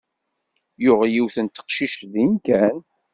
Yuɣ yiwet n teqcict din kan.